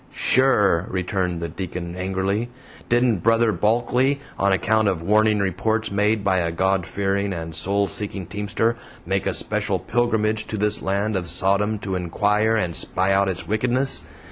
"Sure," returned the Deacon angrily, "didn't Brother Bulkley, on account of warning reports made by a God fearing and soul seeking teamster, make a special pilgrimage to this land of Sodom to inquire and spy out its wickedness?